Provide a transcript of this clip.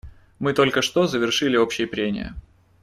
Мы только что завершили общие прения.